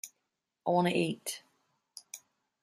I wanna eat!